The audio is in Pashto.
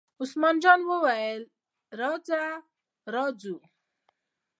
عثمان جان وویل: راځئ را ووځئ.